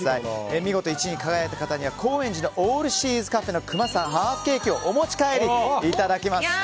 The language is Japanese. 見事、１位に輝いた方には高円寺のオールシーズカフェのくまさんハーフケーキをお持ち帰りいただけます。